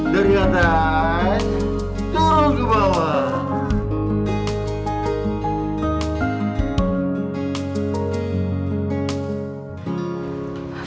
dari atas turun ke bawah